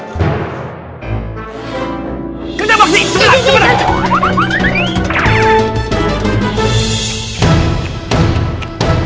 kerja bakti cepetan cepetan